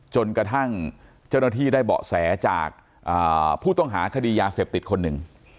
จนกระทั่งเจ้าหน้าที่ได้เบาะแสจากผู้ต้องหาคดียาเสพติดคนหนึ่ง